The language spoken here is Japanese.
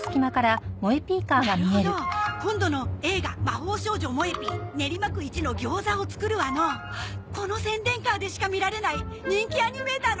なるほど今度の『えー画ま・ほー少女もえＰ練馬区一のギョーザを作るわ！』のこの宣伝カーでしか見られない人気アニメーターの描き下ろし！？